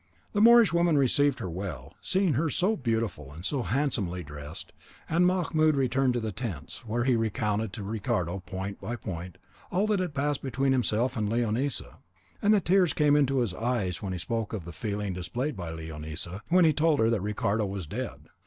The Moorish woman received her well, seeing her so beautiful and so handsomely dressed, and Mahmoud returned to the tents, where he recounted to Ricardo, point by point, all that had passed between himself and Leonisa; and the tears came into his eyes when he spoke of the feeling displayed by Leonisa, when he told her that Ricardo was dead.